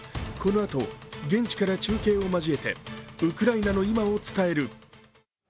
このあと現地から中継を交えてウクライナの今を伝える。